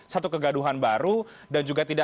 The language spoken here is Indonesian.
satu kegaduhan baru dan juga tidak